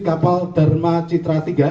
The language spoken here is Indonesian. kapal dharma citra iii